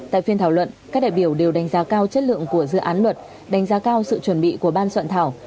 tại phiên thảo luận các đại biểu đều đánh giá cao chất lượng của dự án luật đánh giá cao sự chuẩn bị của ban soạn thảo